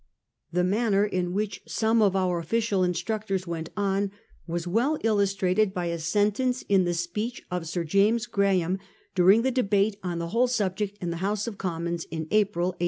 The man n er in which some of our official instructors went on was well illustrated by a sentence in the speech of Sir James Graham, during the debate on the whole sub ject in the House of Commons in April, 1840.